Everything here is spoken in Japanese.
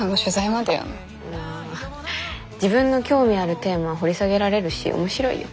まあ自分の興味あるテーマ掘り下げられるし面白いよ。